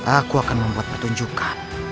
aku akan membuat pertunjukan